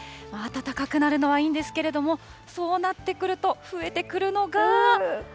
暖かくなるのはいいんですけれども、そうなってくると、増えてくるのが。